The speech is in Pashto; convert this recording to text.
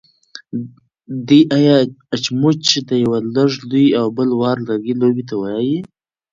ډی يا اچموچ د يوۀ لږ لوی او بل واړۀ لرګي لوبې ته وايي.